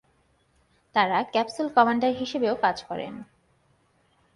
তারা capsule commander হিসেবেও কাজ করেন।